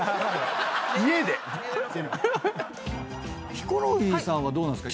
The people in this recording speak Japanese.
ヒコロヒーさんはどうなんすか？